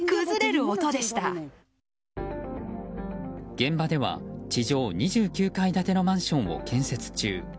現場では、地上２９階建てのマンションを建設中。